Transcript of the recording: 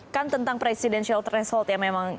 kan tentang presidensial threshold ya memang